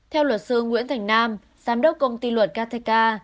theo luật sư nguyễn thành nam giám đốc công ty luật ktk